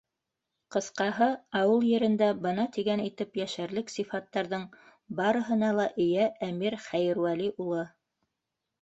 Ҡыҫҡаһы, ауыл ерендә бына тигән итеп йәшәрлек сифаттарҙың барыһына ла эйә Әмир Хәйервәли улы.